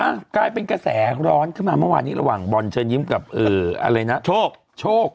ภารกายเป็นกระแสร้จะขึ้นมาว่านี้ระหว่างบรรเชิดยิ้มกับเอออะไรนะโฒ่โฟง